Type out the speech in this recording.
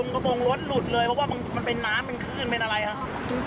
กระโปรงรถหลุดเลยเพราะว่ามันเป็นน้ำเป็นคลื่นเป็นอะไรครับ